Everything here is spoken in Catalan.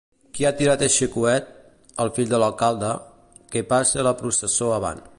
Qui ha tirat eixe coet? —El fill de l'alcalde. —Que passe la processó avant.